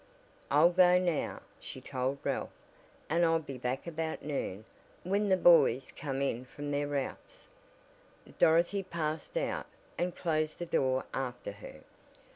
"I'll go now," she told Ralph, "and I'll be back about noon, when the boys come in from their routes." Dorothy passed out, and closed the door after her.